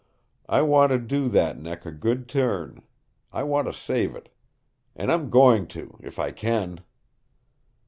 I want to do that neck a good turn. I want to save it. And I'm going to if I can!"